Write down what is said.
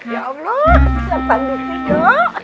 ya allah pisang tanduk itu